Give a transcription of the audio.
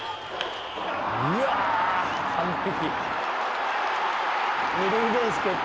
うわぁ完璧。